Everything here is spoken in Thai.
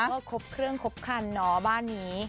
ก็ครบเครื่องครบคันเนาะบ้านนี้